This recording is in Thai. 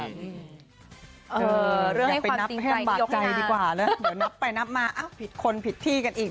เออเรื่องให้ความจริงใจดีกว่านับไปนับมาเอ้าผิดคนผิดที่กันอีก